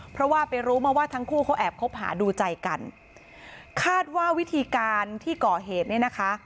เพราะว่าไปรู้มาว่าทั้งคู่เขาแอบคบหาดูใจกันคาดว่าวิธีการที่ก่อเหตุเนี่ยนะคะ